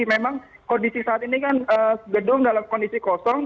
memang kondisi saat ini kan gedung dalam kondisi kosong